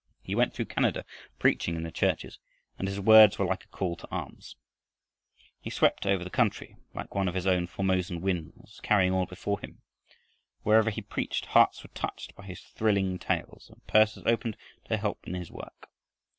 He went through Canada preaching in the churches, and his words were like a call to arms. He swept over the country like one of his own Formosan winds, carrying all before him. Wherever he preached hearts were touched by his thrilling tales, and purses opened to help in his work.